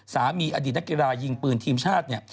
อดีตนักกีฬายิงปืนทีมชาติเนี่ย